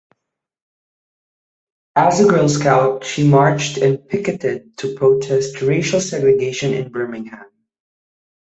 As a Girl Scout she marched and picketed to protest racial segregation in Birmingham.